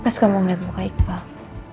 pas kamu melihat muka iqbal